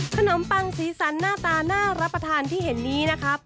ปังสีสันหน้าตาน่ารับประทานที่เห็นนี้นะครับ